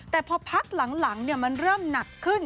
แต่พอพักหลังมันเริ่มหนักขึ้น